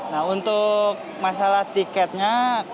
nah untuk masalah tiketnya